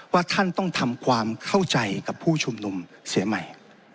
ว่าท่านต้องทำความเข้าใจกับผู้ชุมนุมเสียใหม่